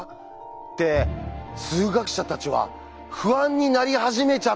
って数学者たちは不安になり始めちゃったわけです。